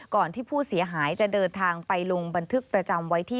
ก่อนที่ผู้เสียหายจะเดินทางไปลงบันทึกประจำไว้ที่